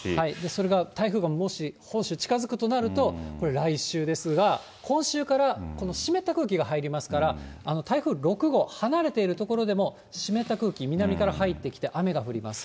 それが台風がもし本州に近づくとなると来週ですが、今週からこの湿った空気が入りますから、台風６号、離れている所でも湿った空気、南から入ってきて、雨が降ります。